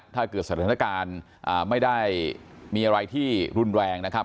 ถ้าเกิดสถานการณ์ไม่ได้มีอะไรที่รุนแรงนะครับ